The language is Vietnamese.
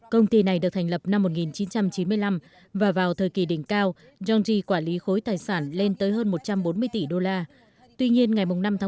công ty này được thành lập năm một nghìn chín trăm chín mươi năm và vào thời kỳ đỉnh cao yongji quản lý khối tài sản lên tới hơn một trăm bốn mươi tỷ đô la